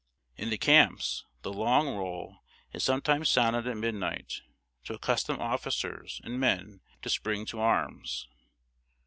In the camps, the long roll is sometimes sounded at midnight, to accustom officers and men to spring to arms.